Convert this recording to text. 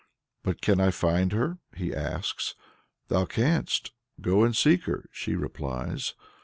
"But can I find her?" he asks. "Thou canst; go and seek her," she replies.